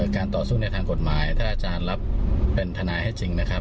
การต่อสู้ในทางกฎหมายถ้าอาจารย์รับเป็นทนายให้จริงนะครับ